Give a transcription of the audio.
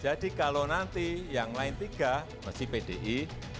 jadi kalau nanti yang lain tiga masih pdi